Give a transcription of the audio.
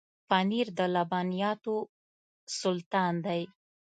پنېر د لبنیاتو سلطان دی.